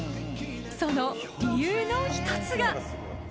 その理由の１つが。